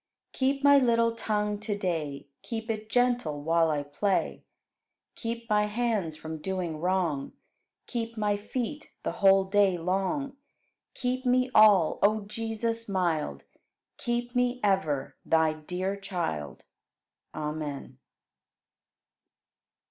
11. Keep my little tongue to day, Keep it gentle while I play; Keep my hands from doing wrong. Keep my feet the whole day long; Keep me all, O Jesus mild, Keep me ever Thy dear child. Amen.